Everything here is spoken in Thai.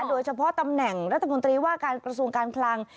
โดยเฉพาะตำแหน่งรัฐมนตรีว่าการกระทรวงการคลัง